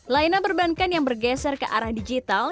layanan perbankan yang bergeser ke arah digital